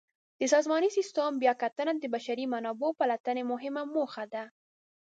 د سازماني سیسټم بیاکتنه د بشري منابعو پلټنې مهمه موخه ده.